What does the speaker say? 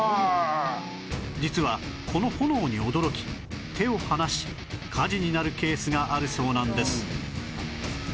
実はこの炎に驚き手を離し火事になるケースがあるそうなんです